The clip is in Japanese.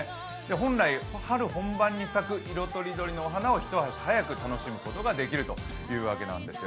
本来、春本番に咲く色とりどりのお花を一足早く楽しむことができるというわけなんですよ。